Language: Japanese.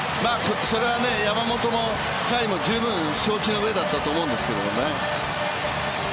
それは山本も甲斐も十分承知の上だったと思うんですがね。